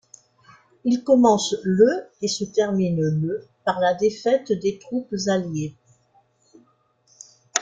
Il commence le et se termine le par la défaite des troupes alliées.